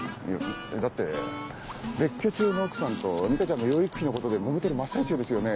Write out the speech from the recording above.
だって別居中の奥さんと美加ちゃんの養育費のことで揉めている真っ最中ですよね？